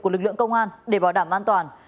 của lực lượng công an để bảo đảm an toàn